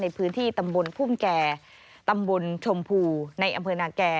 ในพื้นที่ตำบลพุ่มแก่ตำบลชมพูในอำเภอนาแก่